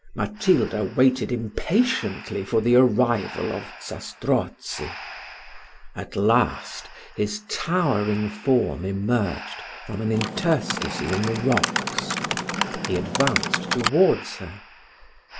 Matilda waited impatiently for the arrival of Zastrozzi. At last his towering form emerged from an interstice in the rocks. He advanced towards her.